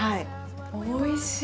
おいしい！